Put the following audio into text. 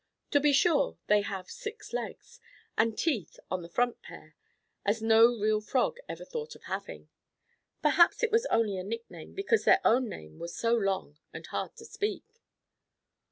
To be sure, they have six legs, and teeth on the front pair, as no real Frog ever thought of having. Perhaps it was only a nickname because their own name was so long and hard to speak.